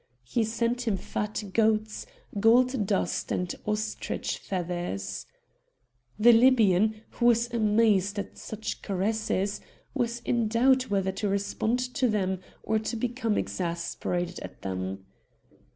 He sent him fat goats, gold dust, and ostrich feathers. The Libyan, who was amazed at such caresses, was in doubt whether to respond to them or to become exasperated at them.